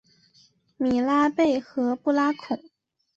米拉贝和布拉孔。